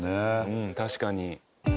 うん確かに。